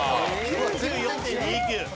９４．２９！